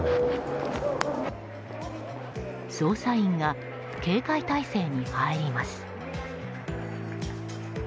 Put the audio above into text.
捜査員が警戒態勢に入ります。